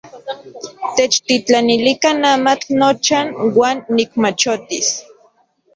Techtitlanilikan amatl nocha uan nikmachotis.